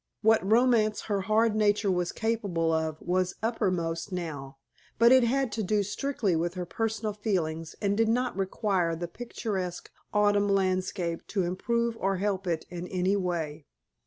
What romance her hard nature was capable of, was uppermost now, but it had to do strictly with her personal feelings and did not require the picturesque autumn landscape to improve or help it in any way.